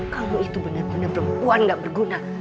kamu itu benar benar perempuan gak berguna